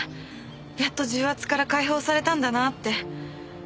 やっと重圧から解放されたんだなって。